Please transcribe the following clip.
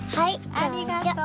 ありがとう。